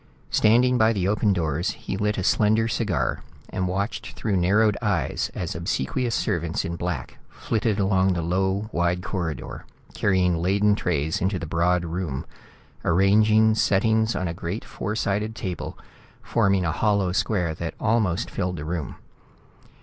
Standing by the open doors, he lit a slender cigar and watched through narrowed eyes as obsequious servants in black flitted along the low wide corridor, carrying laden trays into the broad room, arranging settings on a great four sided table forming a hollow square that almost filled the room.